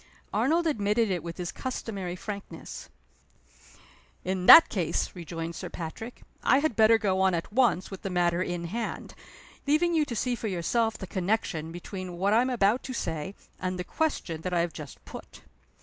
Arnold admitted it with his customary frankness. "In that case," rejoined Sir Patrick, "I had better go on at once with the matter in hand leaving you to see for yourself the connection between what I am about to say, and the question that I have just put.